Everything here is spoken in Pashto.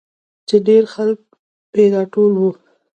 چې ډېرخلک پې راټول وو.